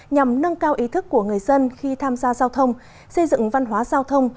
nhằm nâng cao ý thức của người dân khi tham gia giao thông xây dựng văn hóa giao thông